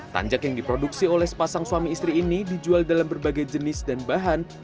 tanjak yang diproduksi oleh sepasang suami istri ini dijual dalam berbagai jenis dan bahan